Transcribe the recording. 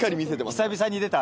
久々に出た？